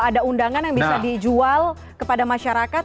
ada undangan yang bisa dijual kepada masyarakat